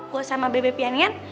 gue sama bebe pian ya